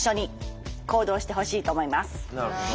なるほど。